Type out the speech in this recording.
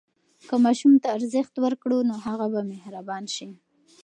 که ماشوم ته ارزښت ورکړو، نو هغه به مهربان شي.